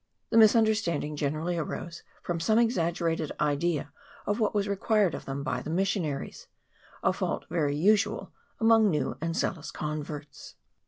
The misunder standing generally arose from some exaggerated idea of what was required of them by the mission aries, a fault very usual among new and zealous converts.